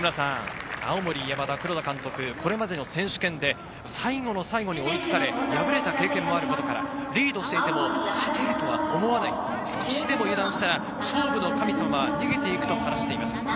青森山田・黒田監督、これまでの選手権で最後の最後に追いつかれ、敗れた経験もあることから、リードしていても勝てるとは思わない、少しでも油断したら勝負の神様は逃げて行くと話しています。